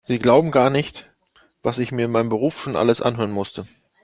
Sie glauben gar nicht, was ich mir in meinem Beruf schon alles anhören musste.